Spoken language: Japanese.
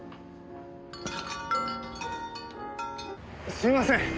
すいません。